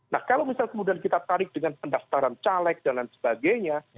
nah kalau misal kemudian kita tarik dengan pendaftaran caleg dan lain sebagainya